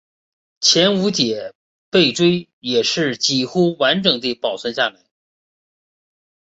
前五节背椎也是几乎完整地保存下来。